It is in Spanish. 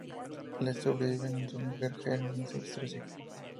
Le sobreviven su mujer, Helen, y sus tres hijos.